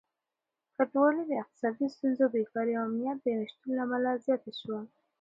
کډوالي د اقتصادي ستونزو، بېکاري او امنيت د نشتون له امله زياته شوه.